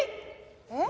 えっ？